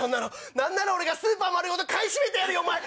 何なら俺がスーパー丸ごと買い占めてやるよ。